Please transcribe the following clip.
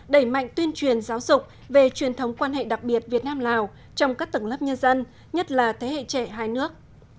đẩy mạnh tuyên truyền giáo dục về truyền thống quan hệ đặc biệt việt nam lào trong các tầng lớp nhân dân nhất là thế hệ trẻ hai nước